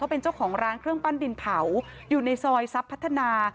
เป็นเจ้าของร้านเครื่องปั้นดินเผาอยู่ในซอยทรัพย์พัฒนา